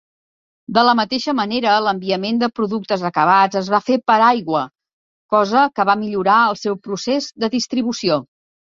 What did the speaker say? De la mateixa manera, l'enviament de productes acabats es va fer per aigua, cosa que va millorar el procés de distribució.